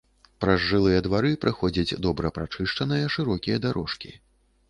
Праз жылыя двары праходзяць добра прачышчаныя шырокія дарожкі.